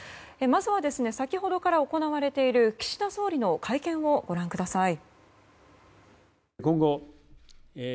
まずは、先ほどから行われている岸田総理の会見をご覧ください。